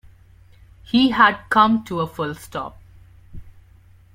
He had come to a full stop